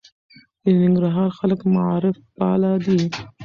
د ننګرهار خلک معارف پاله دي.